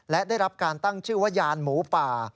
และได้รับการตั้งชื่อว่ายานหมูป่า